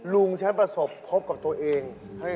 ลุงฉันประสบคบกับตัวเอง